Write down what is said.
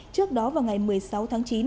trước đó vào ngày một mươi sáu tháng chín